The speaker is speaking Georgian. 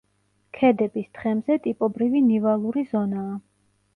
ქედების თხემზე ტიპობრივი ნივალური ზონაა.